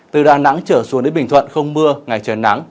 từ đà nẵng trở xuống đến bình thuận không mưa ngày trời nắng